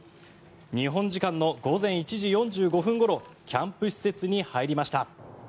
日本時間の午前１時４５分ごろキャンプ施設に入りました。